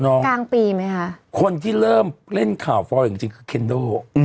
หนึ่งทางปีไหมคะคนที่เริ่มเล่นข่าวฟอร์เรกซ์จริงคือเครนโด่